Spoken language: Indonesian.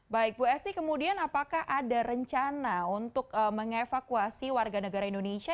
baik bu esti kemudian apakah ada rencana untuk mengevakuasi warga negara indonesia